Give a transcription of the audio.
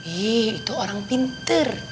ih itu orang pintar